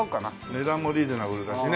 値段もリーズナブルだしね